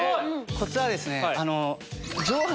コツはですね。